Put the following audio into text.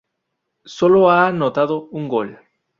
Solo ha anotado un gol.